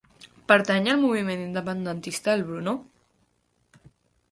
Pertany al moviment independentista el Bruno?